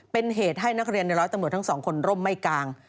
เป็นเหตุให้นักเรียนในร้อยตำรวจทั้งสองคนร่มไม่กลาง